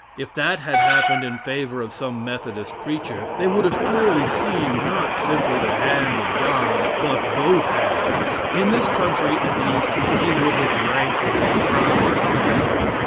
If that had happened in favor of some Methodist preacher, they would have clearly seen, not simply the hand of God, but both hands. In this country, at least, he would have ranked with the proudest names.